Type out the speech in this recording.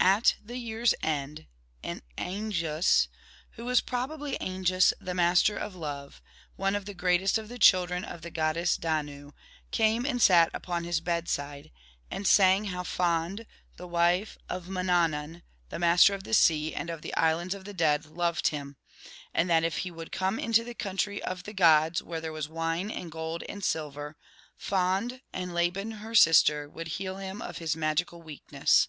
At the year's end an Aengus, who was probably Aengus the master of love, one of the greatest of the children of the goddess Danu, came and sat upon his bedside, and sang how Fand, the wife of Mannannan, the master of the sea, and of the islands of the dead, loved him; and that if he would come into the country of the gods, where there was wine and gold and silver, Fand, and Laban her sister, would heal him of his magical weakness.